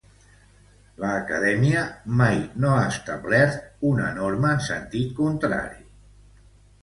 La Reial Acadèmia Espanyola mai no ha establert una norma en sentit contrari.